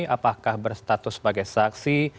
apakah berstatus sebagai saksi